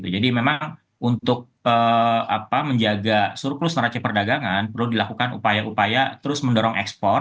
jadi memang untuk menjaga surplus neraca perdagangan perlu dilakukan upaya upaya terus mendorong ekspor